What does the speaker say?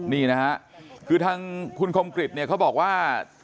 นี่นะครับคือทางคุณคมกริตเขาบอกว่า